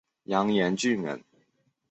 杨延俊人。